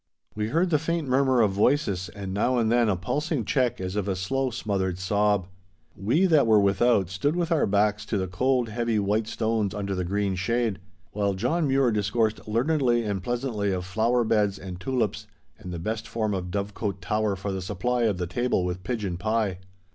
We heard the faint murmur of voices and now and then a pulsing check as of a slow, smothered sob. We that were without, stood with our backs to the cold, heavy, white stones under the green shade, while John Mure discoursed learnedly and pleasantly of flower beds and tulips and the best form of dovecot tower for the supply of the table with pigeon pie.